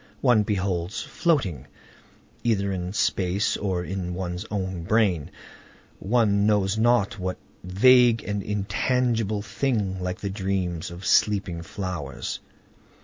One beholds floating, either in space or in one's own brain, one knows not what vague and intangible thing, like the dreams of sleeping flowers.